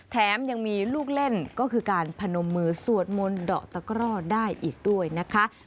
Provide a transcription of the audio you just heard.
แถมยังมีลูกเล่นก็คือการพนมมือสวดมนต์ดอกตะกร่อได้อีกด้วยนะคะ